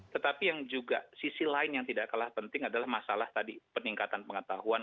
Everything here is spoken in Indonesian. tetapi yang juga sisi lain yang tidak kalah penting adalah masalah tadi peningkatan pengetahuan